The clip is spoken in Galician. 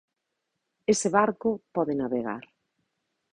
Ese barco pode navegar.